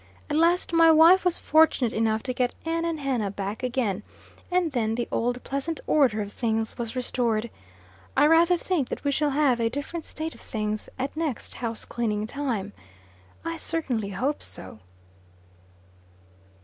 At last my wife was fortunate enough to get Ann and Hannah back again, and then the old pleasant order of things was restored. I rather think that we shall have a different state of things at next house cleaning time. I certainly hope so.